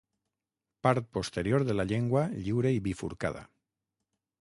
Part posterior de la llengua lliure i bifurcada.